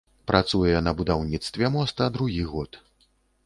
Працуе на будаўніцтве моста другі год.